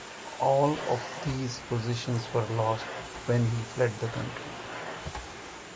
All of these positions were lost when he fled the country.